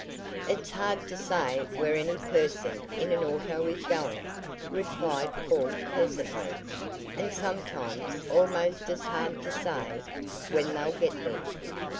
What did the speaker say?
"It's hard to say where any person in an auto is going," replied Paul pleasantly, "and sometimes almost as hard to say when they'll get there."